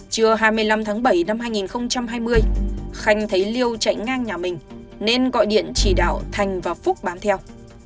trưa hai mươi năm tháng bảy năm hai nghìn hai mươi khanh thấy liêu chạy ngang nhà mình nên gọi điện chỉ đạo thành và phúc bám theo